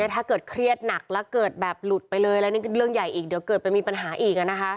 ถ้าเกิดเครียดหนักแล้วเกิดแบบหลุดไปเลยแล้วนี่เรื่องใหญ่อีกเดี๋ยวเกิดไปมีปัญหาอีก